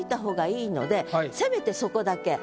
せめてそこだけ。